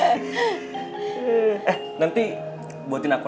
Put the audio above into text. ini tetep apaan tuh